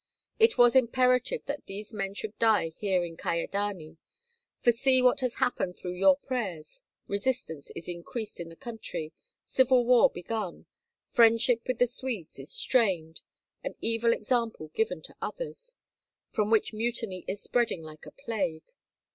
It was imperative that these men should die here in Kyedani, for see what has happened through your prayers: resistance is increased in the country, civil war begun, friendship with the Swedes is strained, an evil example given to others, from which mutiny is spreading like a plague.